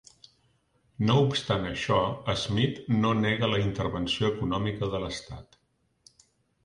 No obstant això, Smith no nega la intervenció econòmica de l'Estat.